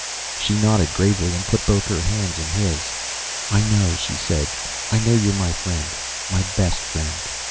She nodded gravely and put both her hands in his. "I know," she said. "I know you're my friend, my best friend."